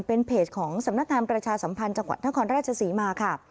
เป็นเพจของสำนักงานประชาสัมพันธ์จังหวัดนครราชศรีมาค่ะ